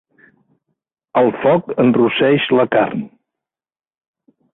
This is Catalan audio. El foc enrosseix la carn.